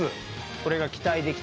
これが期待できて